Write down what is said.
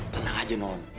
tenang aja non